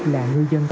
là ngư dân